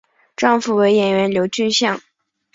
丈夫为演员刘俊相。